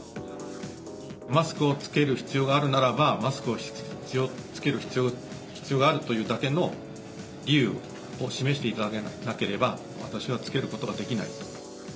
マスクを着ける必要があるならば、マスクを着ける必要があるというだけの理由を示していただかなければ、私は着けることができないと。